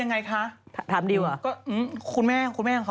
ตกลงเรื่องนี้เป็นยังไงคะ